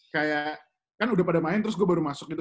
kayak kan udah pada main terus gue baru masuk gitu